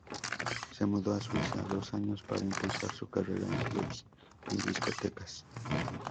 Se mudó a Suiza dos años para impulsar su carrera en clubes y discotecas.